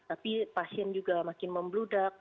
tapi pasien juga makin membludak